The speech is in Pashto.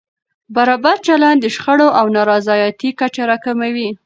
برابر چلند د شخړو او نارضایتۍ کچه راکموي.